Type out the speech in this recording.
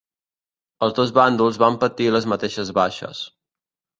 Els dos bàndols van patir les mateixes baixes.